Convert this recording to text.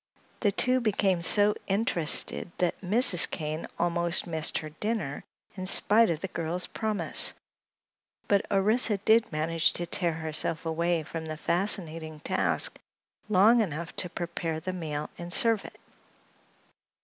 The two became so interested that Mrs. Kane almost missed her dinner in spite of the girl's promise; but Orissa did manage to tear herself away from the fascinating task long enough to prepare the meal and serve it.